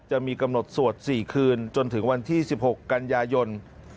จะมีกำหนดสวด๔คืนจนถึงวันที่๑๖กันยายน